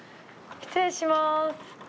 失礼します！